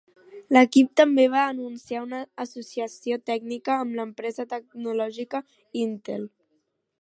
L'equip també va anunciar una associació tècnica amb l'empresa tecnològica Intel.